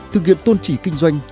thực hiện tôn trí kinh doanh